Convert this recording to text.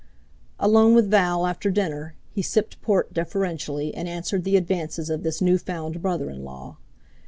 Alone with Val after dinner, he sipped port deferentially and answered the advances of this new found brother in law.